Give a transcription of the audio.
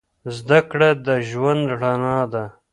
زدهکړه د ژوند رڼا ده